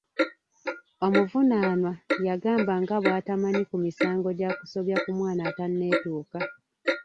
Omuvunaanwa yagamba nga bw'atamanyi ku misango gya kusobya ku mwana atanneetuuka.